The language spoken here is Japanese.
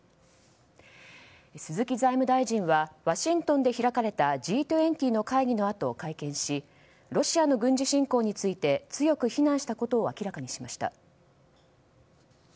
鈴木財務大臣はワシントンで開かれたＧ２０の会議のあと会見しロシアの軍事侵攻について強く非難したことを明らかにしました。